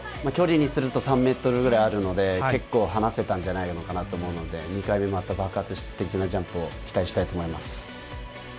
距離にすると３ｍぐらいあるので結構離せたんじゃないかなと思うので２回目もまた爆発的なジャンプを期待したいと思います。